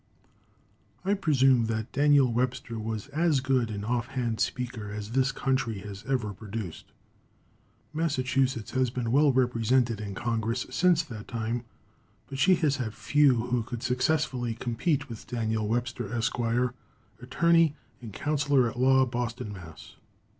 I presume that Daniel Webster was as good an off hand speaker as this country has ever produced. Massachusetts has been well represented in Congress since that time, but she has had few who could successfully compete with D. Webster, Esq., attorney and counsellor at law, Boston, Mass.